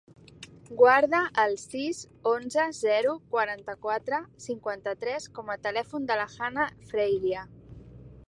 Guarda el sis, onze, zero, quaranta-quatre, cinquanta-tres com a telèfon de la Hannah Freiria.